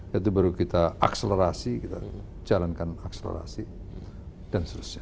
ya itu baru kita akselerasi kita jalankan akselerasi dan seterusnya